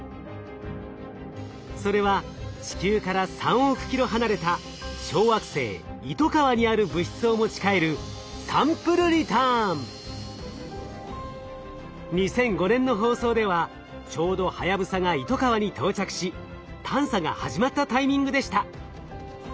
それは地球から３億キロ離れた小惑星「イトカワ」にある物質を持ち帰る２００５年の放送ではちょうどはやぶさがイトカワに到着し探査が始まったタイミングでした。